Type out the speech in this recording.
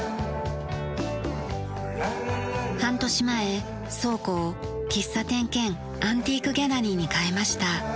半年前倉庫を喫茶店兼アンティークギャラリーに変えました。